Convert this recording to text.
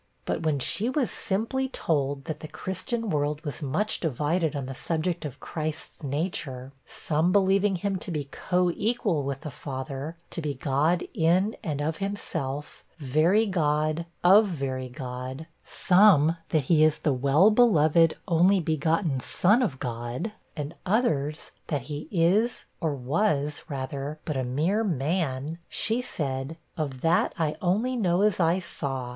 But when she was simply told, that the Christian world was much divided on the subject of Christ's nature some believing him to be coequal with the Father to be God in and of himself, 'very God, of very God;' some, that he is the 'well beloved,' 'only begotten Son of God;' and others, that he is, or was, rather, but a mere man she said, 'Of that I only know as I saw.